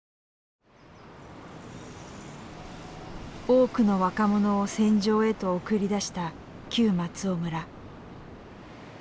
多くの若者を戦場へと送り出した旧松尾村。